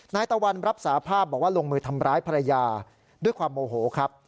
ตะวันรับสาภาพบอกว่าลงมือทำร้ายภรรยาด้วยความโมโหครับ